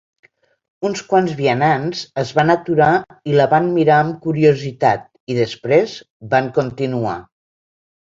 Uns quants vianants es van aturar i la van mirar amb curiositat i, després, van continuar.